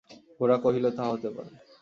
গোরা কহিল, তা হতে পারে।